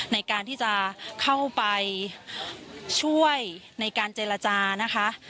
ในการที่จะเข้าไปช่วยในการเจรจานะคะ